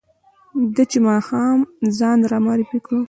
ده چې ماښام ځان را معرفي کړ.